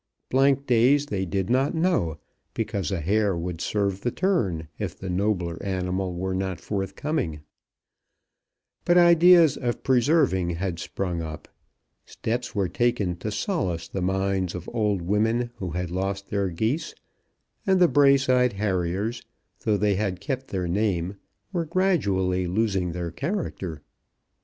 Blank days they did not know, because a hare would serve the turn if the nobler animal were not forthcoming; but ideas of preserving had sprung up; steps were taken to solace the minds of old women who had lost their geese; and the Braeside Harriers, though they had kept their name, were gradually losing their character.